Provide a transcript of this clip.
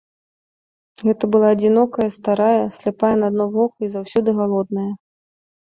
Гэта была адзінокая старая, сляпая на адно вока і заўсёды галодная.